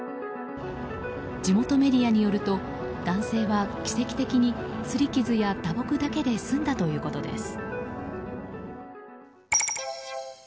地元メディアによると男性は奇跡的にすり傷や打撲だけで済んだということです。